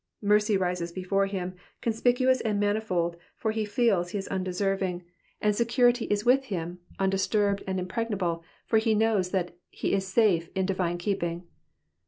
Mercy rises before him, conspicuous and manifold, for he feels he is undeserving, and security is with him, undisturbed and impregnable, for he knows that he is safe in divine keeping.